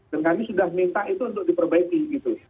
kami sudah minta itu untuk diperbaiki gitu